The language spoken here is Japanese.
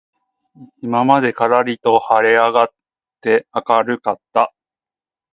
今までからりと晴はれ上あがって明あかるかった